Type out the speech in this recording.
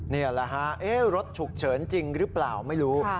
นี่แหละฮะรถฉุกเฉินจริงหรือเปล่าไม่รู้